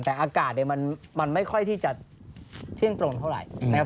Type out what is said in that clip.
แต่อากาศเนี่ยมันไม่ค่อยที่จะเที่ยงตรงเท่าไหร่นะครับ